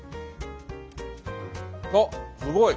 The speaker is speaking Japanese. あっすごい！